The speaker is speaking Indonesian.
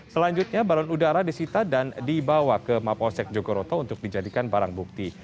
selanjutnya balon udara disita dan dibawa ke mapolsek jogoroto untuk dijadikan barang bukti